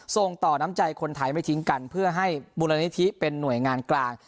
ส่งต่อน้ำใจคนไทยไม่ทิ้งกันเพื่อให้มูลนิธิเป็นหน่วยงานกลาง